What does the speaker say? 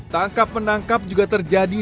tangkap menangkap juga terjadi